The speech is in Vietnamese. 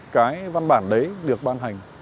cái văn bản đấy được ban hành